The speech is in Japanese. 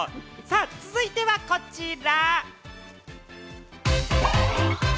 続いてはこちら。